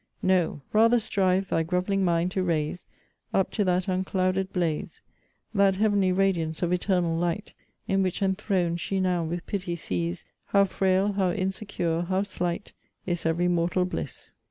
No rather strive thy grov'ling mind to raise Up to that unclouded blaze, That heav'nly radiance of eternal light, In which enthron'd she now with pity sees, How frail, how insecure, how slight, Is every mortal bliss.